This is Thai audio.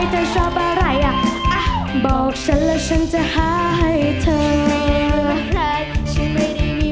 ให้เจอไปจนหมดในชีวิตตอนนี้